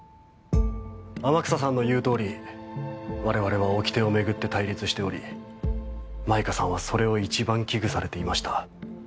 天草さんの言うとおりわれわれはおきてを巡って対立しており舞歌さんはそれを一番危惧されていました。